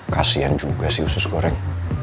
kasian juga sih usus goreng